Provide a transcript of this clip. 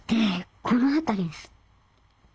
この辺りです。